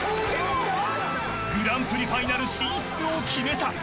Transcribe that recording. グランプリファイナル進出を決めた。